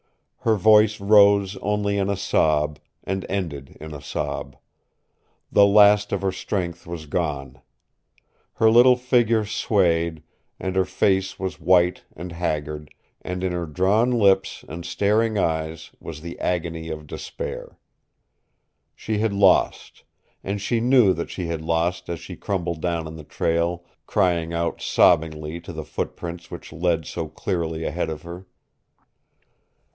Her voice rose only in a sob, and ended in a sob. The last of her strength was gone. Her little figure swayed, and her face was white and haggard, and in her drawn lips and staring eyes was the agony of despair. She had lost, and she knew that she had lost as she crumpled down in the trail, crying out sobbingly to the footprints which led so clearly ahead of her.